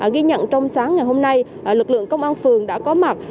ghi nhận trong sáng ngày hôm nay lực lượng công an phường đã có mặt